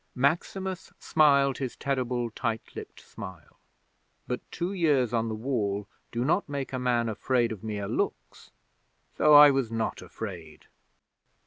'Maximus smiled his terrible tight lipped smile, but two years on the Wall do not make a man afraid of mere looks. So I was not afraid.